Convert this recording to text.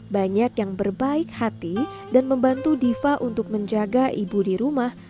banyak yang berbaik hati dan membantu diva untuk menjaga ibu di rumah